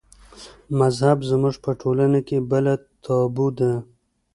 مذهب زموږ په ټولنه کې بله تابو ده.